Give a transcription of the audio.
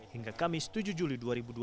hingga kamis tujuh juli dua ribu dua puluh